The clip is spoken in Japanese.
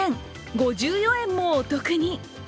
５４円もお得に。